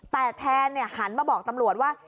แต่แทนหันมาบอกตำรวจว่า